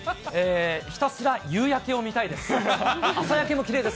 ひたすら夕焼けを見たいです。